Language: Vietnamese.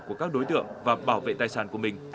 của các đối tượng và bảo vệ tài sản của mình